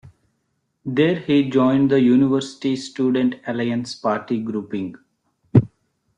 There he joined the university's student Alliance Party grouping.